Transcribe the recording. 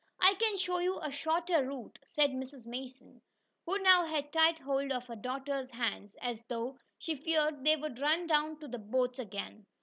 "I can show you a shorter route," said Mrs. Mason, who now had tight hold of her daughters' hands, as though she feared they would run down to the boats again.